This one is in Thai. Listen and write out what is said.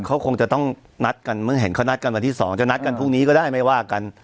เขาคงจะต้องนัดกันเมื่อเห็นเขานัดกันวันที่๒จะนัดกันพรุ่งนี้ก็ได้ไม่ว่ากัน